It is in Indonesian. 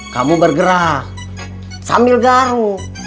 kamu bergerak sambil garuk